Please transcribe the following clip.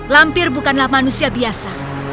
lampir bukanlah manusia biasa